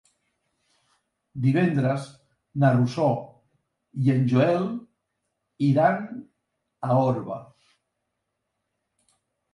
Divendres na Rosó i en Joel iran a Orba.